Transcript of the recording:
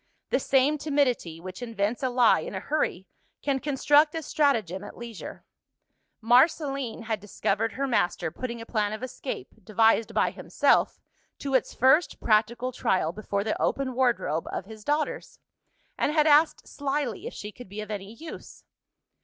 The same timidity which invents a lie in a hurry, can construct a stratagem at leisure. Marceline had discovered her master putting a plan of escape, devised by himself, to its first practical trial before the open wardrobe of his daughters and had asked slyly if she could be of any use.